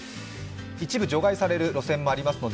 一部除外される路線もありますので